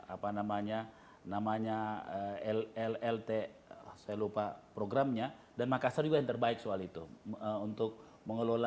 apa namanya namanya llt saya lupa programnya dan makassar juga yang terbaik soal itu untuk mengelola